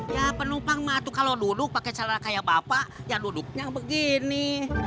ya penumpang mah itu kalau duduk pakai cara kayak bapak ya duduknya begini